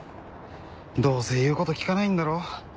どうせ言うこと聞かないんだろ？